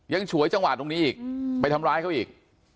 ฉวยจังหวะตรงนี้อีกไปทำร้ายเขาอีก